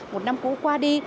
một năm cũ qua đi